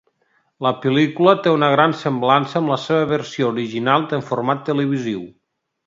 La pel·lícula té una gran semblança amb la seva versió original en format televisiu.